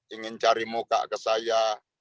ingin cari muka ke saya